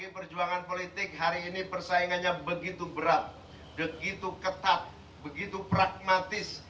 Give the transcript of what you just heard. perjuangan politik hari ini persaingannya begitu berat begitu ketat begitu pragmatis